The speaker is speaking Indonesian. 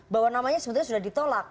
bahwa namanya sebetulnya sudah ditolak